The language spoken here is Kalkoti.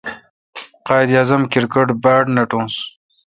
قائد اعظم کرکٹ باڑ نکوس۔